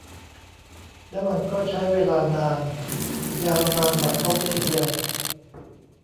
แล้วมันก็ใช้เวลานาน ยาวนานบัดซบทีเดียว